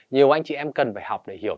nhiều anh chị em cần phải học để hiểu